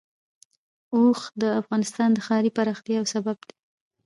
اوښ د افغانستان د ښاري پراختیا یو سبب دی.